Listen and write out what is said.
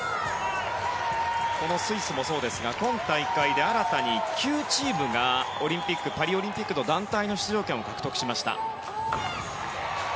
スイスもそうですが今大会で新たに９チームがパリオリンピックの団体の出場権を獲得しました。